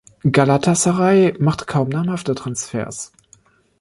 Galatasaray machte kaum namhafte Transfers.